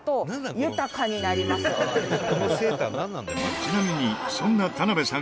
ちなみに、そんな田辺さん